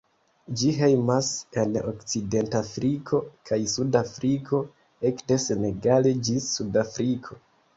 Ĝi hejmas en Okcidentafriko kaj suda Afriko, ekde Senegalo ĝis Sud-Afriko.